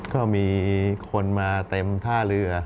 ก็มีคนมาเต็มท่าเรือ